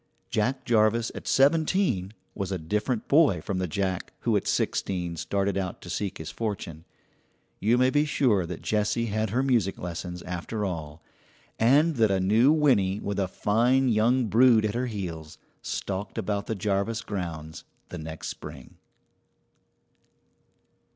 Jack Jarvis at seventeen was a different boy from the Jack who at sixteen started out to seek his fortune. You may be sure that Jessie had her music lessons after all, and that a new Winnie with a fine young brood at her heels stalked about the Jarvis grounds the next spring.